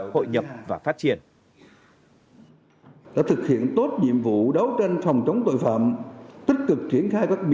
hội nhập và phát triển